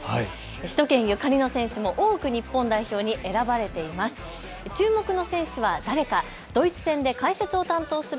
首都圏ゆかりの選手も多く日本代表に選ばれています。